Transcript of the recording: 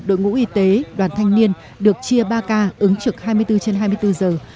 đội ngũ y tế đoàn thanh niên được chia ba k ứng trực hai mươi bốn trên hai mươi bốn giờ